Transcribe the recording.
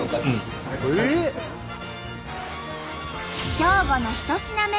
兵庫の１品目